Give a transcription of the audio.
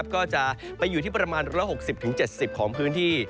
ก็จะไปอยู่ที่ประมาณ๑๖๐๗๐ของพื้นที่